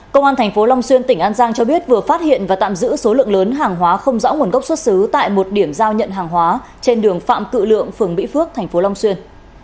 công an tp long xuyên tỉnh an giang cho biết vừa phát hiện và tạm giữ số lượng lớn hàng hóa không rõ nguồn gốc xuất xứ tại một điểm giao nhận hàng hóa trên đường phạm cự lượng phường mỹ phước tp long xuyên